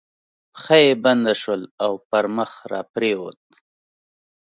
پښه یې بنده شول او پر مخ را پرېوت.